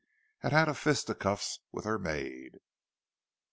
had had a fisticuffs with her maid.